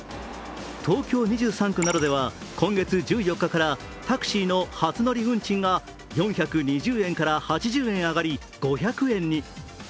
東京２３区などでは今月１４日からタクシーの初乗り運賃が４２０円から８０円上がり、５００円に。